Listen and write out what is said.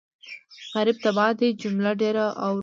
غريب تباه دی جمله ډېره اورو